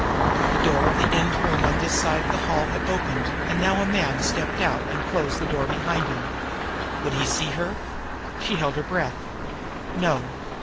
The door of the end room on this side of the hall had opened, and now a man stepped out and closed the door behind him. Would he see her? She held her breath. No!